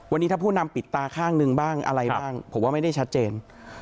วันนี้ถ้าผู้นำปิดตาข้างหนึ่งบ้างอะไรบ้างผมว่าไม่ได้ชัดเจน